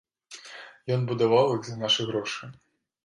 Ён будаваў іх за нашы грошы.